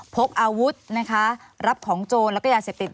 พกอาวุธนะคะรับของโจรแล้วก็ยาเสพติด